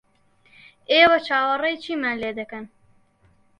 ئێوە چاوەڕێی چیمان لێ دەکەن؟